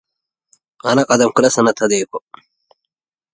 And finally he produced his own film.